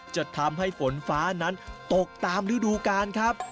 จะทำให้ฝนฟ้านั้นตกตามฤดูกาลครับ